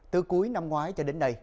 từ cuối năm ngoái cho đến nay